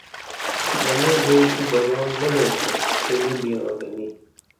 منے بئی تو بران مہ نیسے کیہ نی بیاں گنی